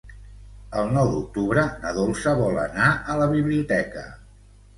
El nou d'octubre na Dolça vol anar a la biblioteca.